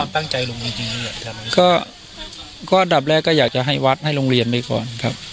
ผมอาจจะอยากให้ก็วัดให้โรงเรียนไปก่อนครับ